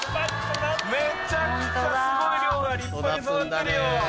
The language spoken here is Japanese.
めちゃくちゃすごい量が立派に育ってるよ。